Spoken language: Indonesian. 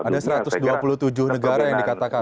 ada satu ratus dua puluh tujuh negara yang dikatakan